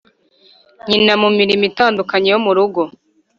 nyina mu mirimo itandukanye yo mu rugo.